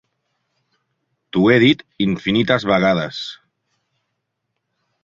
T'ho he dit infinites vegades.